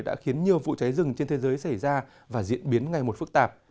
đã khiến nhiều vụ cháy rừng trên thế giới xảy ra và diễn biến ngày một phức tạp